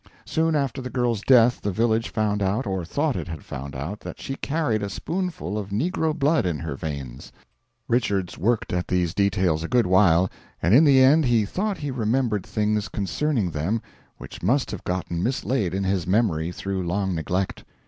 Soon after the girl's death the village found out, or thought it had found out, that she carried a spoonful of negro blood in her veins. Richards worked at these details a good while, and in the end he thought he remembered things concerning them which must have gotten mislaid in his memory through long neglect.